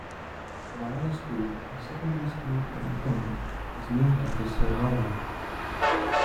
Vyners School, a secondary school in Ickenham is named after Sir Robert.